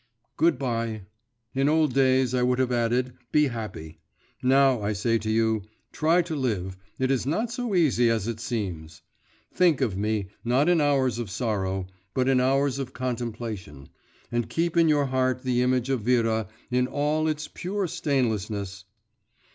Good bye! In old days I would have added, be happy; now I say to you, try to live, it is not so easy as it seems. Think of me, not in hours of sorrow, but in hours of contemplation, and keep in your heart the image of Vera in all its pure stainlessness.